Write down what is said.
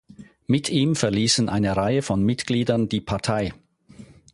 Mit ihm verließen eine Reihe von Mitgliedern die Partei.